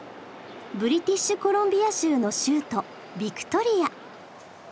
ブリティッシュコロンビア州の州都ビクトリア。